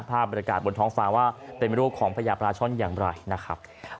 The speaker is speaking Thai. ภาพบริการบนท้องฟ้าว่าเป็นโรคของพระยาปราชนอย่างไรนะครับ